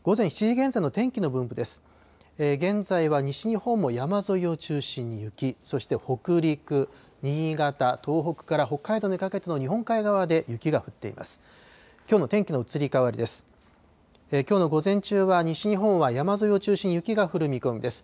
現在は西日本も山沿いを中心に雪、そして北陸、新潟、東北から北海道にかけての日本海側で雪が降っています。